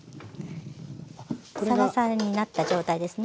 サラサラになった状態ですね。